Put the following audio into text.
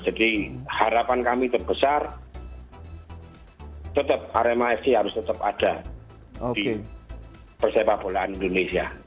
jadi harapan kami terbesar tetap arema fc harus tetap ada di persepakbolaan indonesia